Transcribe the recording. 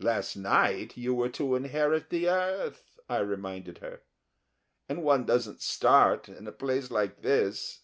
"Last night you were to inherit the earth," I reminded her, "and one doesn't start in a place like this.